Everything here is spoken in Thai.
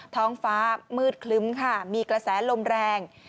ท้องฟ้ามืดคลึ้มค่ะมีกระแสลมแรง